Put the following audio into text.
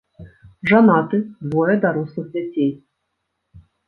Жанаты, двое дарослых дзяцей.